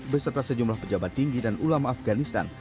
beserta sejumlah pejabat tinggi dan ulama afganistan